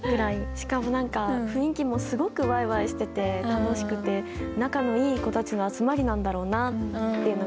しかも何か雰囲気もすごくワイワイしてて楽しくて仲のいい子たちの集まりなんだろうなっていうのが。